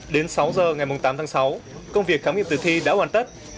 đến sáu giờ ngày tám tháng sáu công việc khám nghiệm tử thi đã hoàn tất